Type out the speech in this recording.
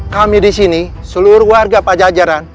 kami disini seluruh warga pajajaran